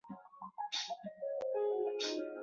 施瓦岑贝格广场是奥地利维也纳的一个广场。